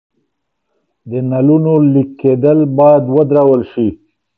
د نلونو لیک کیدل باید ودرول شي.